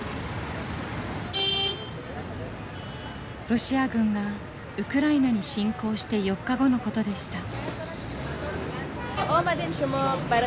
ロシア軍がウクライナに侵攻して４日後のことでした。